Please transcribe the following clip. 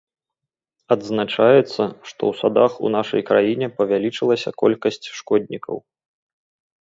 Адзначаецца, што ў садах у нашай краіне павялічылася колькасць шкоднікаў.